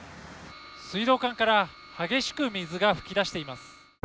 水道管から激しく水が噴き出しています。